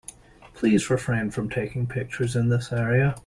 Please refrain from taking pictures in this area.